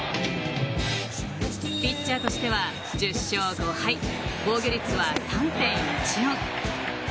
ピッチャーとしては１０勝５敗防御率は３．１４。